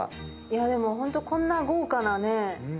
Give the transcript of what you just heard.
いやでもホントこんな豪華なねないですよね。